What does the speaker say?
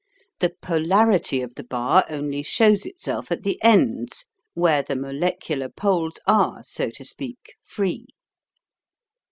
The polarity of the bar only shows itself at the ends, where the molecular poles are, so to speak, free.